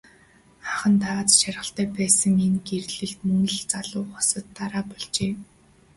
Анхандаа аз жаргалтай байсан энэ гэрлэлт мөн л залуу хосод дараа болжээ.